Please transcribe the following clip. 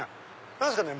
何ですかね？